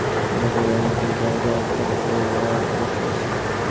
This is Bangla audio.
আমরা সকলেই নিজ নিজ মনোমত এক-একটা কল্পনা লইয়া বসিয়া আছি।